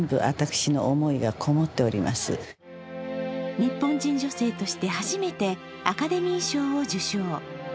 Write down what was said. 日本人女性として初めてアカデミー賞を受賞。